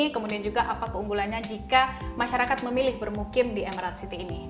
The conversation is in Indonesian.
kemudian juga apa keunggulannya jika masyarakat memilih bermukim di emerald city ini